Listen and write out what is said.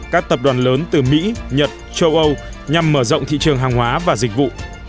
các tập đoàn lớn từ mỹ nhật châu âu nhằm mở rộng thị trường hàng hóa và dịch vụ